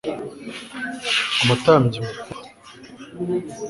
umutambyi mukuru